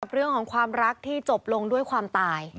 เรื่องของความรักที่จบลงด้วยความตาย